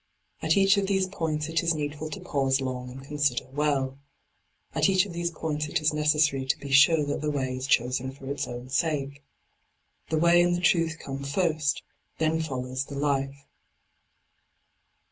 At each of these points it is needful to pause long and consider well. At each of these points it is necesssary to be sure that the way is chosen for its own sake. The way and the truth come first, then follows the life.